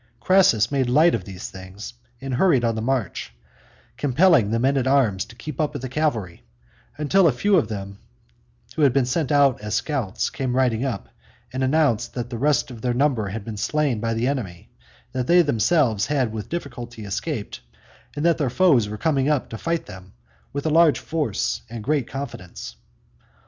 Crassus made light of these things and hurried on the march, compelling the men at arms to keep up with the cavalry, until a few of those who had been sent out as scouts came riding up and announced that the rest of their number had been slain by the enemy, that they themselves had with difficulty escaped, and that their foes were coming up to fight them with a large force and great confidence.